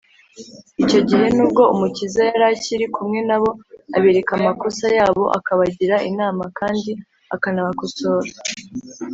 icyo gihe, nubwo umukiza yari akiri kumwe na bo, abereka amakosa yabo, akabagira inama kandi akanabakosora,